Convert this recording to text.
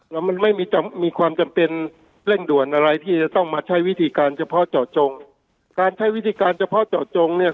แล้วมันไม่มีมีความจำเป็นเร่งด่วนอะไรที่จะต้องมาใช้วิธีการเฉพาะเจาะจงการใช้วิธีการเฉพาะเจาะจงเนี่ย